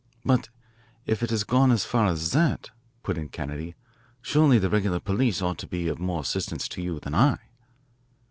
"But if it has gone as far as that," put in Kennedy, "surely the regular police ought to be of more assistance to you than I."